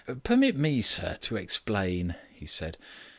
"Permit me, sir, to explain," he said.